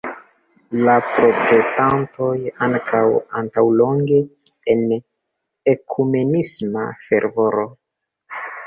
La protestantoj ankaŭ antaŭlonge en ekumenisma fervoro.